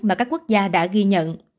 mà các quốc gia đã ghi nhận